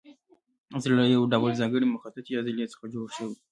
زړه له یو ډول ځانګړې مخططې عضلې څخه جوړ شوی.